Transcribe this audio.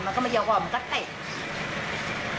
มันก็ไม่เยอะกว่างมันก็แตะ